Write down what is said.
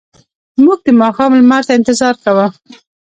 موږ د ماښام لمر ته انتظار کاوه.